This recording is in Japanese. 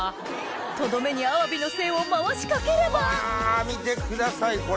とどめにあわびの精を回しかければうわ見てくださいこれ。